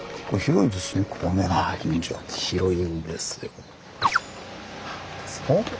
はい広いんですよ。